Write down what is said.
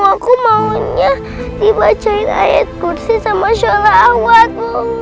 aku maunya dibacain ayat kursi sama surawat